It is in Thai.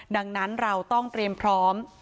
ดังนั้นเราต้องเตรียมพร้อม